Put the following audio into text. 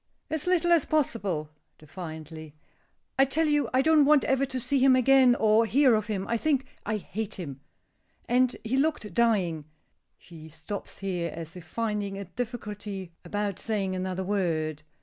"As little as possible," defiantly. "I tell you I don't want ever to see him again, or hear of him; I think I hate him. And he looked dying." She stops here, as if finding a difficulty about saying another word.